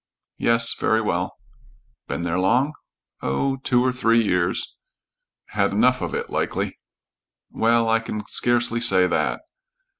"Yes. Very well." "Been there long?" "Oh, two or three years." "Had enough of it, likely?" "Well, I can scarcely say that."